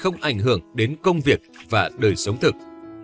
không ảnh hưởng đến công việc và đời sống thực